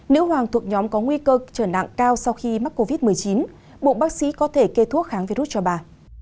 nữ hoàng thuộc nhóm có nguy cơ trở nặng cao sau khi mắc covid một mươi chín buộc bác sĩ có thể kê thuốc kháng virus cho bà